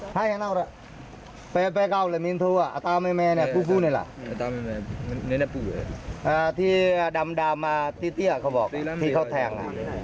ที่ดำมาที่เตี้ยเขาบอกที่เขาแทง